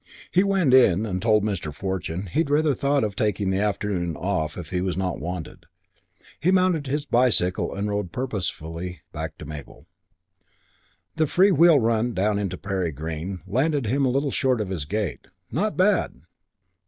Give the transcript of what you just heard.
He went in and told Mr. Fortune he rather thought of taking the afternoon off if he was not wanted. He mounted his bicycle and rode purposefully back to Mabel. CHAPTER III I The free wheel run down into Perry Green landed him a little short of his gate, not bad!